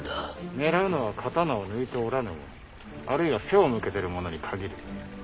狙うのは刀を抜いておらぬ者あるいは背を向けてる者に限る。